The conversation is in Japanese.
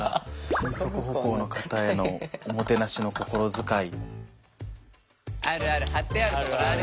「二足歩行の方へのおもてなしの心遣い」。